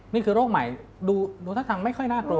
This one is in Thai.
นี่คือโรคใหม่ดูทางนั้นไม่ค่อยน่ากลัวนะ